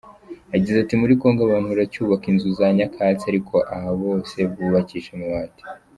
Yagize ati “ Muri Congo abantu baracyubaka inzu za nyakatsi, ariko aha bose bubakishije amabati.